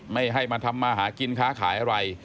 ไม่ให้มาทำมาหากินค้าขายอะไร